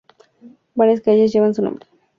Varias calles llevan su nombre.